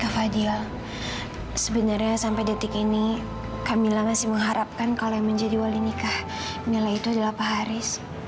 fadil sebenarnya sampai detik ini kamila masih mengharapkan kalau yang menjadi wali nikah mila itu adalah pak haris